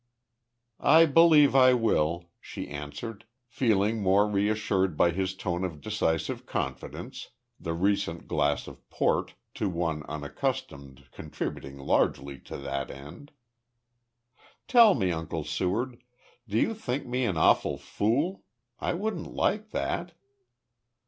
"I believe I will," she answered, feeling more reassured by his tone of decisive confidence, the recent glass of port, to one unaccustomed, contributing largely to that end. "Tell me, Uncle Seward, do you think me an awful fool? I wouldn't like that?"